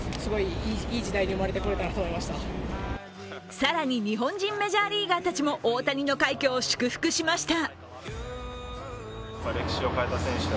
更に日本人メジャーリーガーたちも大谷の快挙を祝福しました。